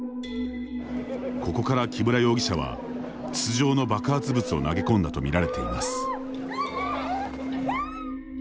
ここから木村容疑者は筒状の爆発物を投げ込んだと見られています。